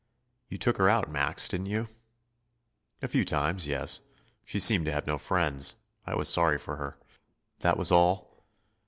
"You took her out, Max, didn't you?" "A few times, yes. She seemed to have no friends. I was sorry for her." "That was all?"